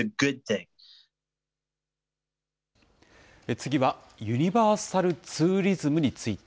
次はユニバーサルツーリズムについて。